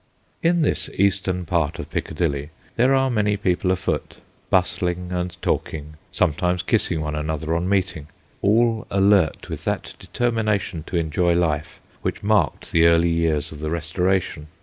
In this eastern part of Piccadilly there are many people afoot, bustling and talk ing, sometimes kissing one another on meeting, all alert with that determination to enjoy life which marked the early years of the Restoration.